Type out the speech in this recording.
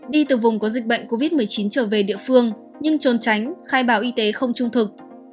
đi từ vùng có dịch bệnh covid một mươi chín trở về địa phương nhưng trốn tránh khai báo y tế không trung thực